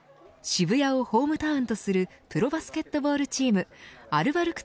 渋谷をホームタウンとするプロバスケットボールチームアルバルク